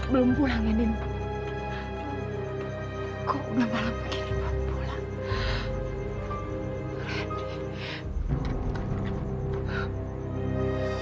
belum pulang ini kok udah malam gini pulang